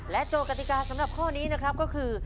โจทย์กติกาสำหรับข้อนี้นะครับก็คือ